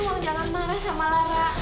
nek nek tolong jangan marah sama lara